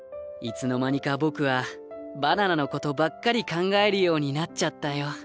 いつの間にか僕はバナナのことばっかり考えるようになっちゃったよ。